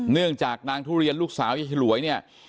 เนื่องจากนางทุเรียนลูกสาวยายฉลวยเนี่ย